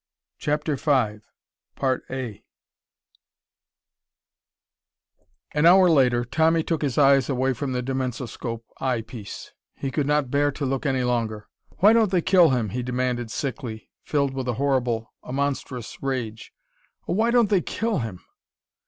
CHAPTER V An hour later, Tommy took his eyes away from the dimensoscope eye piece. He could not bear to look any longer. "Why don't they kill him?" he demanded sickly, filled with a horrible, a monstrous rage. "Oh, why don't they kill him?"